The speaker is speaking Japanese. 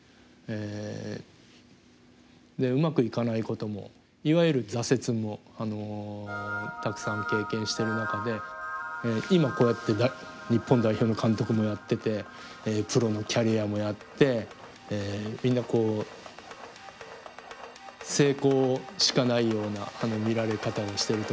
でうまくいかないこともいわゆる挫折もたくさん経験してる中で今こうやって日本代表の監督もやっててプロのキャリアもやってみんなこう成功しかないような見られ方をしていると思いますけど。